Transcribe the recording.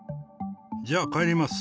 じゃあ帰ります。